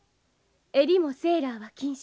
襟もセーラーは禁止。